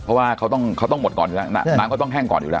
เพราะว่าเขาต้องหมดก่อนอยู่แล้วน้ำเขาต้องแห้งก่อนอยู่แล้ว